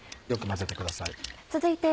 よく混ぜてください。